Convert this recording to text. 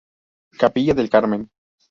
Capilla del Carmen.